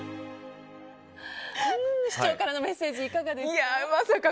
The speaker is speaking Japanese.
市長からのメッセージいかがですか？